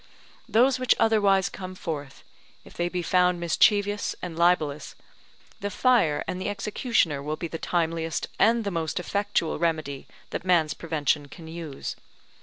Those which otherwise come forth, if they be found mischievous and libellous, the fire and the executioner will be the timeliest and the most effectual remedy that man's prevention can use.